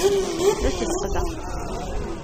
D asbeqbeq.